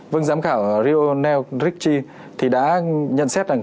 vâng giám khảo rio nell ritchie thì đã nhận xét rằng